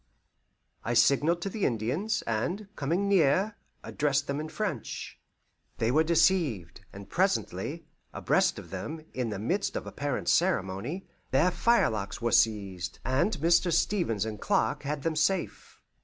I signalled to the Indians, and, coming near, addressed them in French. They were deceived, and presently, abreast of them, in the midst of apparent ceremony, their firelocks were seized, and Mr. Stevens and Clark had them safe.